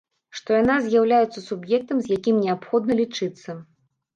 Што яна з'яўляецца суб'ектам, з якім неабходна лічыцца.